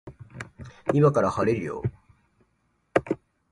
今から晴れるよ